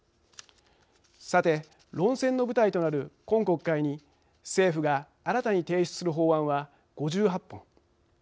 さて論戦の舞台となる今国会に政府が新たに提出する法案は５８本。